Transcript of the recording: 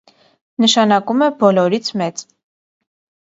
Նշանակում է «բոլորից մեծ»։